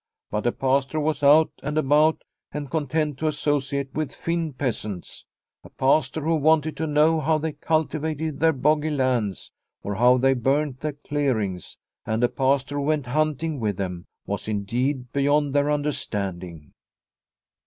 But a Pastor who was out and about and content to associate with Finn peasants ! A Pastor who wanted to know how they cultivated their boggy lands, or how they burnt their clearings, and a Pastor who went hunting with them, was indeed, beyond their understanding."